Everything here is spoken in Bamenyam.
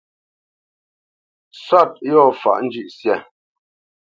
Sɔ̂t yɔ̂ faʼ njʉ̂ʼsyâ.